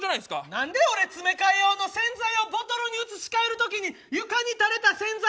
何で俺詰め替え用の洗剤をボトルに移し替える時に床に垂れた洗剤